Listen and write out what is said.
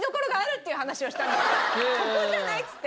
ここじゃないって！